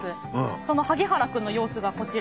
その萩原くんの様子がこちら。